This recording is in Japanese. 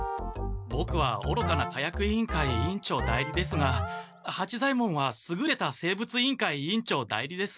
ボクはおろかな火薬委員会委員長代理ですが八左ヱ門はすぐれた生物委員会委員長代理です。